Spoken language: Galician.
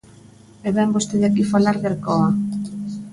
¡E vén vostede aquí falar de Alcoa!